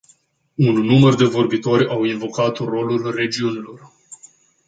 Un număr de vorbitori au invocat rolul regiunilor.